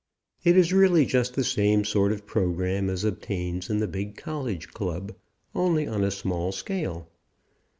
It is really just the same sort of program as obtains in the big college club, only on a small scale.